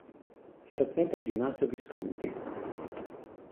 Frequenta il ginnasio Visconti.